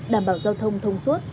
đảm bảo giao thông thông suốt